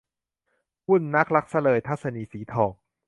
วุ่นนักรักซะเลย - ทัศนีย์ สีทอง